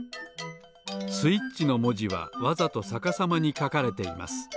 スイッチのもじはわざとさかさまにかかれています。